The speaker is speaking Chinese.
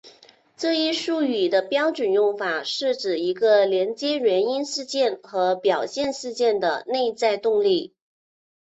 这一术语的标准用法是指一种连接原因事件和表象事件的内在动力。